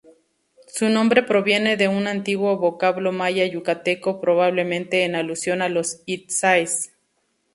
Su nombre proviene de un antiguo vocablo maya-yucateco, probablemente en alusión a los itzáes.